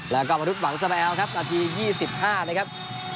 แล้วก็มนุษย์หวังสแมวครับนาที๒๕นะครับ